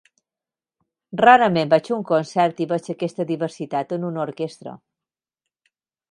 Rarament vaig a un concert i veig aquesta diversitat en una orquestra.